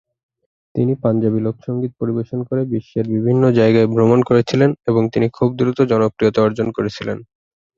তিনি পাঞ্জাবি লোকসঙ্গীত পরিবেশন করে বিশ্বের বিভিন্ন জায়গায় ভ্রমণ করেছিলেন এবং তিনি খুব দ্রুত জনপ্রিয়তা অর্জন করেছিলেন।